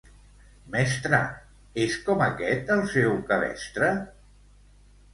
Mestre, és com aquest el seu cabestre?